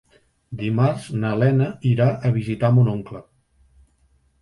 Dimarts na Lena irà a visitar mon oncle.